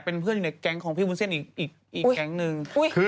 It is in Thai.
เป็นเพื่อนอยู่ในแก๊งของพี่วุ้นเส้นอีกแก๊งนึง